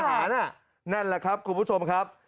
นั่นแหละครับคุณผู้ชมครับ